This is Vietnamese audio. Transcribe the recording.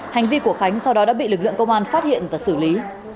hành vi của khánh sau đó đã bị lực lượng công an phát hiện và xử lý